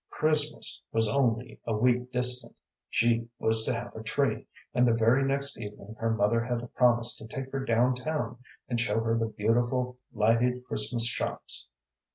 Christmas was only a week distant, she was to have a tree, and the very next evening her mother had promised to take her down town and show her the beautiful, lighted Christmas shops.